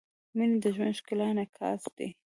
• مینه د ژوند د ښکلا انعکاس دی.